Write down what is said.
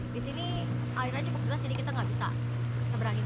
di sini airnya cukup deras jadi kita tidak bisa seberangi sungai